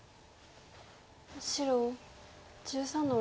白１３の六。